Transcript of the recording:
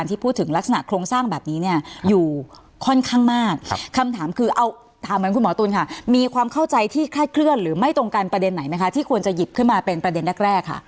เลือกเคลื่อนหรือไม่ตรงการประเด็นไหนไหมคะที่ควรจะหยิบขึ้นมาเป็นประเด็นแรกแรกค่ะ